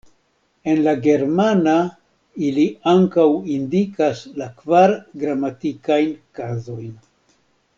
En la germana ili ankaŭ indikas la kvar gramatikajn kazojn.